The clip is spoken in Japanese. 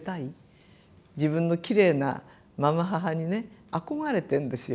自分のきれいなまま母にね憧れてるんですよ。